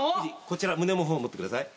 こちら胸の方持ってください。